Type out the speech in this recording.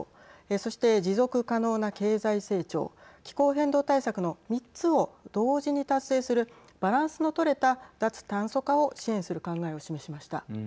そして、持続可能な経済成長気候変動対策の３つを同時に達成するバランスの取れた脱炭素化を支援する考えを示しました。